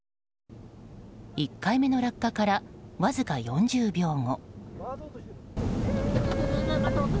１回目の落下からわずか４０秒後。